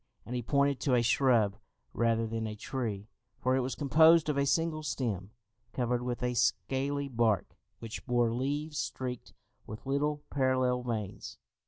and he pointed to a shrub, rather than a tree, for it was composed of a single stem, covered with a scaly bark, which bore leaves streaked with little parallel veins.